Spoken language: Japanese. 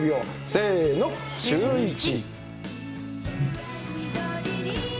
せーの、シューイチ。